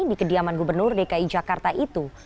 di kediaman gubernur dki jakarta itu